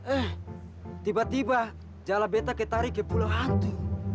eh tiba tiba jala betta ketarik ke pulau hantu